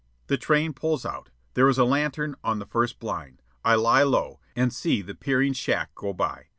The train pulls out. There is a lantern on the first blind. I lie low, and see the peering shack go by.